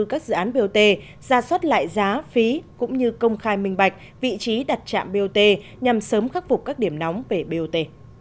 các dự án bot ra soát lại giá phí cũng như công khai minh bạch vị trí đặt trạm bot nhằm sớm khắc phục các điểm nóng về bot